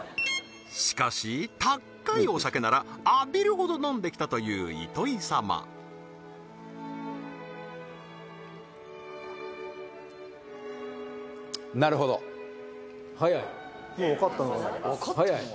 しかし高いお酒なら浴びるほど飲んできたという糸井様早いもう分かったのかな？